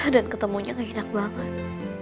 dan ketemunya ga enak banget